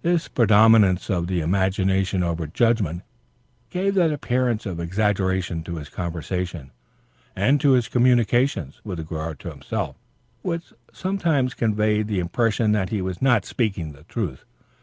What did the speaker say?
This predominance of the imagination over the judgment gave that appearance of exaggeration to his conversation and to his communications with regard to himself, which sometimes conveyed the impression that he was not speaking the truth.